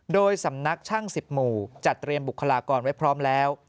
โดยสำนักช่าง๑๐หมู่จัดเตรียมบุคลากรไว้พร้อมแล้ว